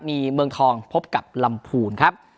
มีเมืองทองพบกับลำพูนครับ